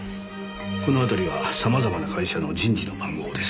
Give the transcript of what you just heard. この辺りは様々な会社の人事の番号です。